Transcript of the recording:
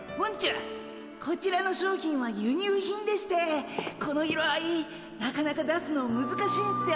こちらの商品は輸入品でしてこの色合いなかなか出すのむずかしいんすよ。